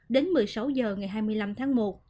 đến một mươi sáu h ngày hai mươi năm tháng một